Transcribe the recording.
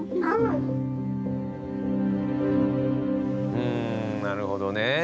うんなるほどね。